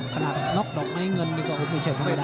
ขนาดน็อกดอกไม่เงินก็ไม่ใช่ธรรมดา